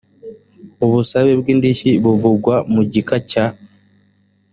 ubusabe bw indishyi buvugwa mu gika cya